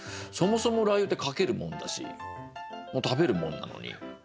そもそも辣油ってかけるもんだし食べるもんなのに。